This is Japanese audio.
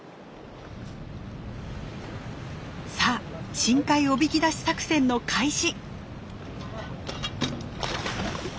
さあ深海おびき出し作戦の開始。